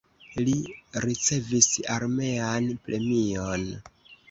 Li ricevis armean premion.